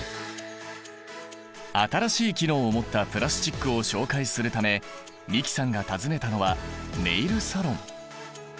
新しい機能を持ったプラスチックを紹介するため美樹さんが訪ねたのはネイルサロン。